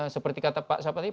seperti kata pak siapa tadi pak